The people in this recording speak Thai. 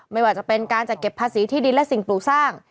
ไม่ว่าจะเป็นการจัดเก็บภาษีที่ดินและสิ่งปลูกสร้าง